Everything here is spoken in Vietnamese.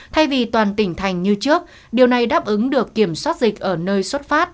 thay vì toàn tỉnh thành như trước điều này đáp ứng được kiểm soát dịch ở nơi xuất phát